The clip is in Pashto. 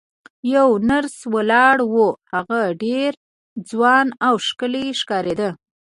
یوه نرسه ولاړه وه، هغه ډېره ځوانه او ښکلې ښکارېده.